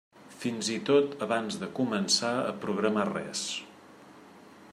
Fins i tot abans de començar a programar res.